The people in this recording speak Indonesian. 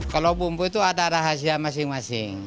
kalau bumbu itu ada rahasia masing masing